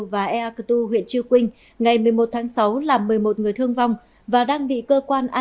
và ea cơ tu huyện chư quynh ngày một mươi một tháng sáu làm một mươi một người thương vong và đang bị cơ quan an